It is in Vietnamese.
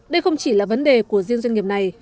đây không chỉ là vấn đề của riêng doanh nghiệp này